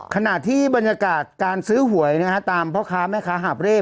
ขณะที่บรรยากาศการซื้อหวยตามพ่อค้าแม่ค้าหาบเร่